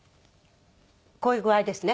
こういう具合ですね。